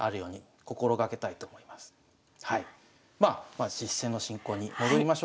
まあ実戦の進行に戻りましょうかね。